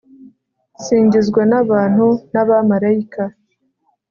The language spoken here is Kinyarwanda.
singizwa n'abantu n'abamalayika